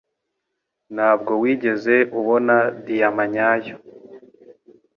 Ntabwo wigeze ubona diyama nyayo.